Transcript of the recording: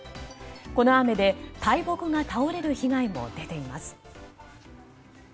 この雨で大木が倒れる被害も出ています。